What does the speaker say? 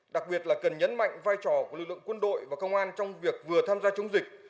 đặc biệt là cần nhấn mạnh vai trò của lực lượng quân đội và công an trong việc vừa tham gia chống dịch